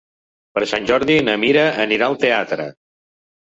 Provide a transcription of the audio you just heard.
Per Sant Jordi na Mira anirà al teatre.